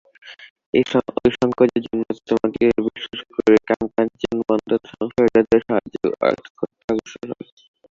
ঐ সৎকাজের জন্য তোকে বিশ্বাস করে কামকাঞ্চনবদ্ধ সংসারীরা তোর সাহায্য করতে অগ্রসর হবে।